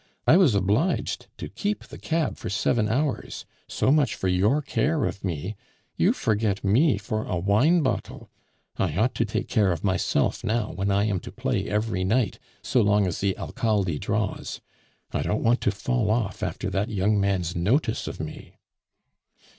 I was obliged to keep the cab for seven hours. So much for your care of me; you forget me for a wine bottle. I ought to take care of myself now when I am to play every night so long as the Alcalde draws. I don't want to fall off after that young man's notice of me."